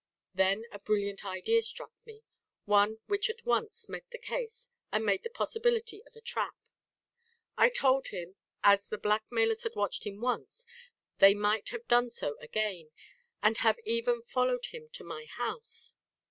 Then a brilliant idea struck me, one which at once met the case and made the possibility of a trap. I told him that as the blackmailers had watched him once they might have done so again, and have even followed him to my house.